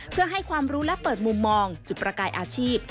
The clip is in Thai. เพื่อให้ความรู้และเปิดมุมมองจุดประกายอาชีพ